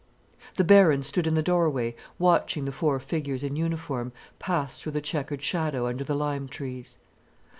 The Baron stood in the doorway watching the four figures in uniform pass through the chequered shadow under the lime trees.